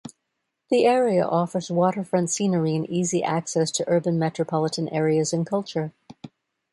The area offers waterfront scenery and easy access to urban metropolitan areas and culture.